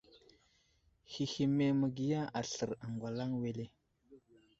Həhme məgiya aslər agwalaŋ wele ?